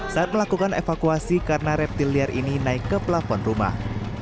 saat melakukan evakuasi karena reptil liar ini naik ke pelafon rumah